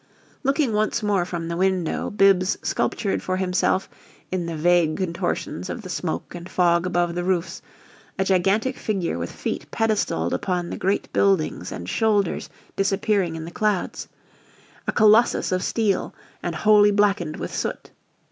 Looking once more from the window, Bibbs sculptured for himself in the vague contortions of the smoke and fog above the roofs a gigantic figure with feet pedestaled upon the great buildings and shoulders disappearing in the clouds, a colossus of steel and wholly blackened with soot.